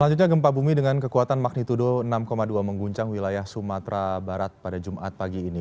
selanjutnya gempa bumi dengan kekuatan magnitudo enam dua mengguncang wilayah sumatera barat pada jumat pagi ini